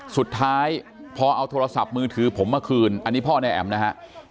สุดท้ายพอเอาโทรศัพท์มือถือผมมาคืนอันนี้พ่อนายแอ๋มนะฮะ